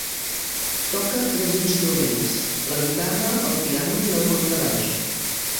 Toca tres instruments: la guitarra, el piano i el contrabaix.